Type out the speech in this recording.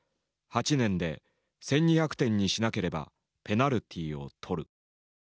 「８年で１，２００店にしなければペナルティーを取る」。